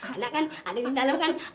ada kan ada di dalam kan